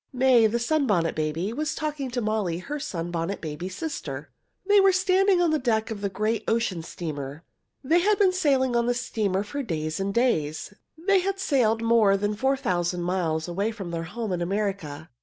May, the Sunbonnet Baby, was talking with Molly, her little Sunbonnet Baby sister. They were standing on the deck of a great ocean steamer. They had been sailing on the steamer for days and days. They had sailed more than four thousand miles away from their home in America.